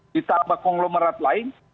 ditambah conglomerat lain